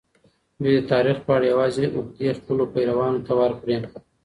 دوی د تاریخ په اړه یوازي عقدې خپلو پیروانو ته ورکړې.